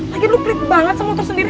lagian lu pelit banget sama motor sendiri